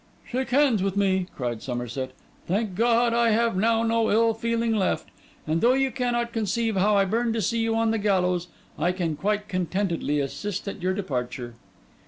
'Shake hands with me,' cried Somerset. 'Thank God, I have now no ill feeling left; and though you cannot conceive how I burn to see you on the gallows, I can quite contentedly assist at your departure.